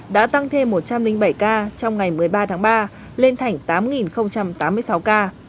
đã tăng thêm một trăm linh bảy ca trong ngày một mươi ba tháng ba lên thành tám tám mươi sáu ca